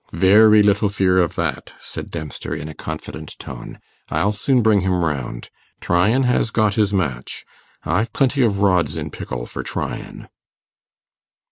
'Ve ry little fear of that,' said Dempster, in a confident tone. 'I'll soon bring him round. Tryan has got his match. I've plenty of rods in pickle for Tryan.